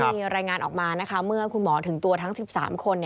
มีรายงานออกมานะคะเมื่อคุณหมอถึงตัวทั้ง๑๓คน